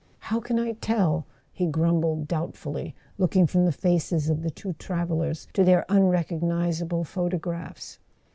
"How can I tell ?" he grumbled doubtfully, looking from the faces of the two travellers to their unrecognizable photographs.